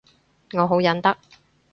我好忍得